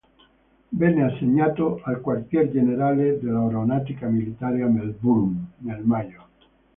Venne assegnato al Quartier Generale dell'Aeronautica Militare, a Melbourne, nel maggio.